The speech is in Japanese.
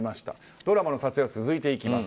ドラマの撮影は続けていきます。